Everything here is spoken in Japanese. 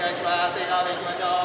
笑顔でいきましょう。